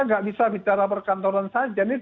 nggak bisa bicara perkantoran saja ini